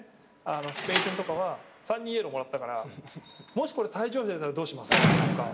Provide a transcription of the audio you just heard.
スペイン戦とかは３人イエローもらったから「もしこれ退場者出たらどうします？」とか。